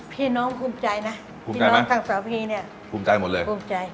พี่น้องภูมิใจนะพี่น้องทางสาวพี่เนี่ยภูมิใจหมดเลย